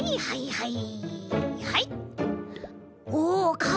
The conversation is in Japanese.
はい。